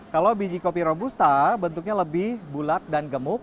kalau biji kopi robusta bentuknya lebih bulat dan gemuk